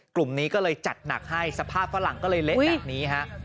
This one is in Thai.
กลุ่มนี้ก็เลยจัดหนักให้สภาพฝรั่งก็เลยเละแบบนี้ฮะ